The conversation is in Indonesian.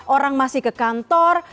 orang masih ke kantor